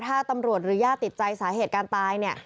ถ้าตำรวจหรือญาติติดใจสาเหตุการตายเนี่ย